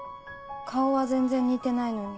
顔は全然似てないのに。